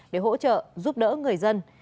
để hỗ trợ giúp đỡ người dân